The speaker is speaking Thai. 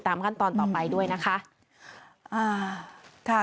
ติดตามขั้นตอนต่อไปด้วยนะคะ